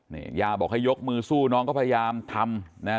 นี่ย่าบอกให้ยกมือสู้น้องก็พยายามทำนะฮะ